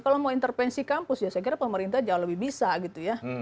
kalau mau intervensi kampus ya saya kira pemerintah jauh lebih bisa gitu ya